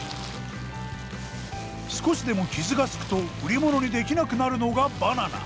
少しでも傷がつくと売り物にできなくなるのがバナナ。